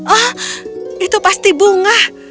oh itu pasti bunga